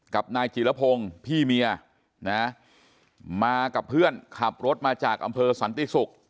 กับนายจิรพงศ์พี่เมียนะมากับเพื่อนขับรถมาจากอำเภอสันติศุกร์